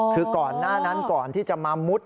คือก่อนหน้านั้นก่อนที่จะมามุด